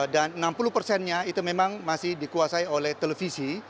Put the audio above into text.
dan enam puluh persennya itu memang masih dikuasai oleh televisi